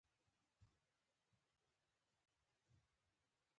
ګیلاس د سهار پر میز موجود وي.